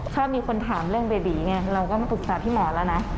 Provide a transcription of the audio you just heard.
ชอบมีคนถามเรื่องเบบีไงเราก็มาปรึกษาพี่หมอแล้วนะ